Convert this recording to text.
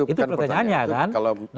itu pertanyaannya kan